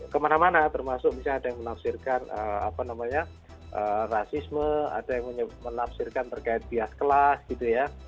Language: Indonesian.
kemana mana termasuk misalnya ada yang menafsirkan apa namanya rasisme ada yang menafsirkan terkait bias kelas gitu ya